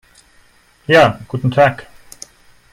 Ja, guten Tag!